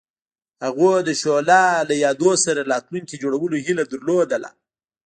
هغوی د شعله له یادونو سره راتلونکی جوړولو هیله لرله.